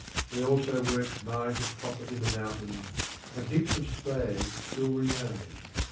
They also worked mines of copper in the mountains, and heaps of slag still remain.